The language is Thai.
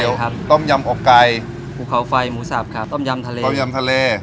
กุ้ยเตี๋ยวต้มยำอกไก่หูเขาไฟหมูสับครับต้มยำทะเลต้มยำทะเล